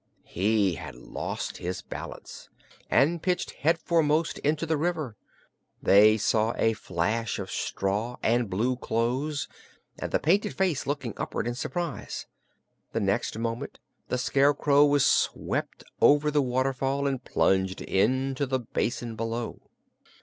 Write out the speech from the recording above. He had lost his balance and pitched headforemost into the river. They saw a flash of straw and blue clothes, and the painted face looking upward in surprise. The next moment the Scarecrow was swept over the waterfall and plunged into the basin below.